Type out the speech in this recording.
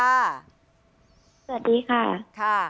สวัสดีค่ะ